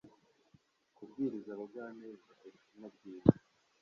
kubwiriza abagwaneza ubutumwa bwiza;